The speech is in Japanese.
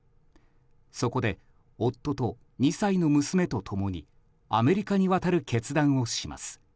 そこで、夫と２歳の娘と共にアメリカに渡る決断をします。